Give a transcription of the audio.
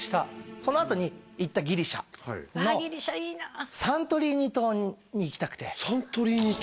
そのあとに行ったギリシャのサントリーニ島に行きたくてサントリーニ島？